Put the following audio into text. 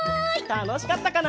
たのしかったかな？